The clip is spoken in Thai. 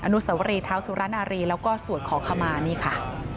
นุสวรีเท้าสุรนารีแล้วก็สวดขอขมานี่ค่ะ